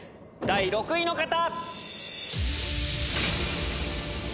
第６位の方！